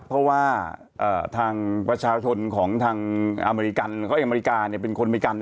เพราะว่าทางประชาชนของทางอเมริกันแล้วก็อเมริกาเป็นคนอเมริกัน